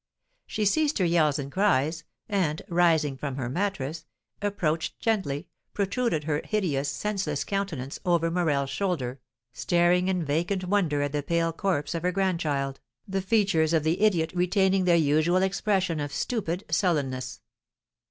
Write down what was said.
She ceased her yells and cries, and, rising from her mattress, approached gently, protruded her hideous, senseless countenance over Morel's shoulder, staring in vacant wonder at the pale corpse of her grandchild, the features of the idiot retaining their usual expression of stupid sullenness.